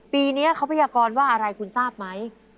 ปีนี้เขาพยากรว่าอะไรคุณทราบไหม